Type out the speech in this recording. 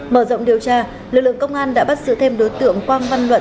mở rộng điều tra lực lượng công an đã bắt giữ thêm đối tượng quang văn luận